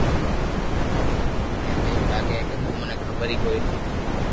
مني تو ايمم لاگي ھي ڪي تمو ني خبر ھي ڪوئي نو